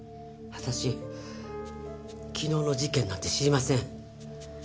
私昨日の事件なんて知りません。